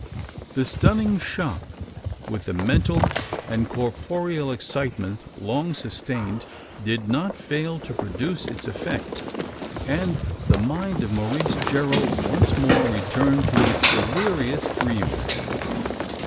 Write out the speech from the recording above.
The stunning shock with the mental and corporeal excitement long sustained did not fail to produce its effect; and the mind of Maurice Gerald once more returned to its delirious dreaming.